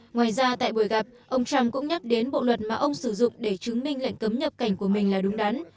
ngoài ra tại buổi gặp ông trump cũng nhắc đến bộ luật mà ông sử dụng để chứng minh lệnh cấm nhập cảnh của mình là đúng đắn